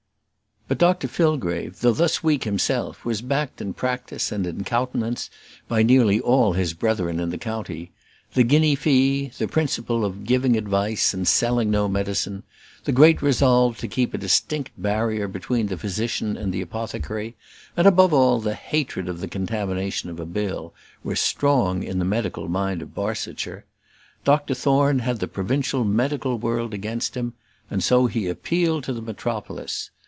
But Dr Fillgrave, though thus weak himself, was backed in practice and in countenance by nearly all his brethren in the county. The guinea fee, the principle of giving advice and of selling no medicine, the great resolve to keep a distinct barrier between the physician and the apothecary, and, above all, the hatred of the contamination of a bill, were strong in the medical mind of Barsetshire. Dr Thorne had the provincial medical world against him, and so he appealed to the metropolis.